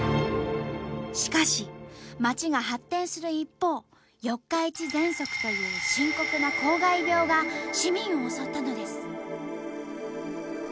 しかし街が発展する一方「四日市ぜんそく」という深刻な公害病が市民を襲ったのです。